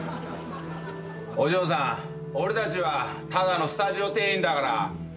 お嬢さん俺たちはただのスタジオ店員だから。